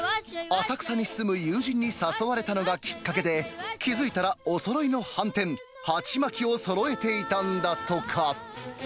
浅草に住む友人に誘われたのがきっかけで、気付いたらおそろいのはんてん、鉢巻きをそろえていたんだとか。